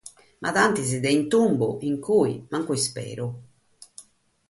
Ma tantis de intumbu, in cue cue, mancu isperu.